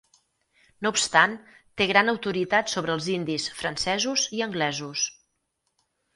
No obstant, té gran autoritat sobre els hindis, francesos i anglesos.